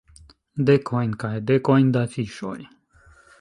Dekojn kaj dekojn da fiŝoj.